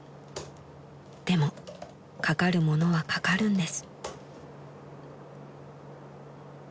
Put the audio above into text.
［でもかかるものはかかるんです］